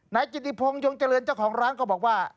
นายกิติพงศ์เจริญเจ้าของร้านก็บอกว่า